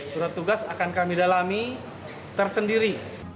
surat tugas akan kami dalami tersendiri